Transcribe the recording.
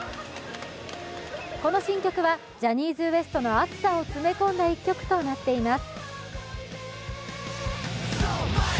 この新曲はジャニーズＷＥＳＴの熱さを詰め込んだ一曲となっています。